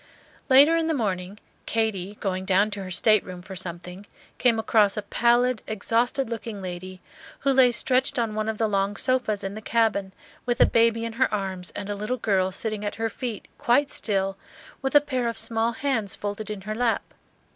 Later in the morning, Katy, going down to her stateroom for something, came across a pallid, exhausted looking lady, who lay stretched on one of the long sofas in the cabin, with a baby in her arms and a little girl sitting at her feet, quite still, with a pair of small hands folded in her lap.